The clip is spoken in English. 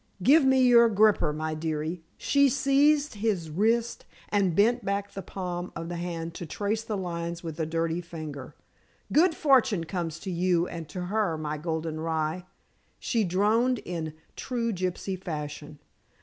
Give me your gripper, my dearie," she seized his wrist and bent back the palm of the hand to trace the lines with a dirty finger. "Good fortune comes to you and to her, my golden rye," she droned in true gypsy fashion.